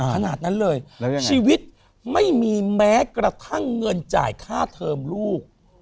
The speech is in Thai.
ขนาดนั้นเลยชีวิตไม่มีแม้กระทั่งเงินจ่ายค่าเทอมลูก